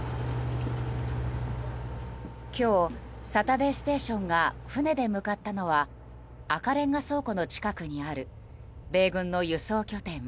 今日「サタデーステーション」が船で向かったのは赤レンガ倉庫の近くにある米軍の輸送拠点